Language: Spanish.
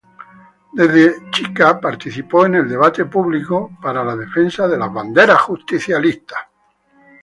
Desde chica participó en el debate público para la defensa de las banderas Justicialistas.